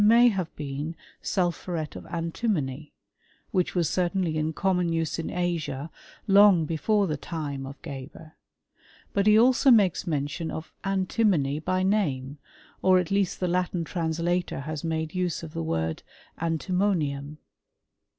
131 |wet it nay have been sulphuret of antimony, whieh was eertainly in common use in Asia long before the lime of Geber. But he also makes mention of anti monj by nanus, or at lea^t the Latin translator has made use of the word antimonium.